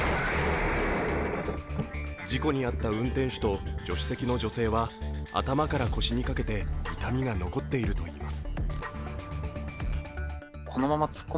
事故に遭った運転手と助手席の女性は頭から腰にかけて痛みが残っているといいます。